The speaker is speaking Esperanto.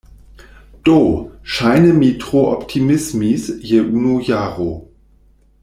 Do, ŝajne mi tro optimismis je unu jaro!